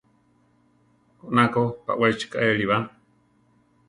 Koná ko baʼwechi kaéli ba.